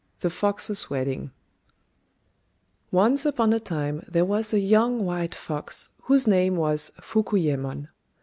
THE FOXES' WEDDING Once upon a time there was a young white fox, whose name was Fukuyémon.